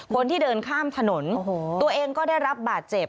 คนที่เดินข้ามถนนตัวเองก็ได้รับบาดเจ็บ